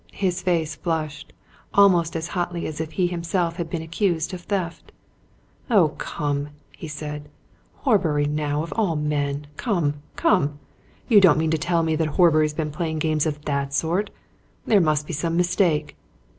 His face flushed, almost as hotly as if he himself had been accused of theft. "Oh, come!" he said. "Horbury, now, of all men! Come come! you don't mean to tell me that Horbury's been playing games of that sort? There must be some mistake."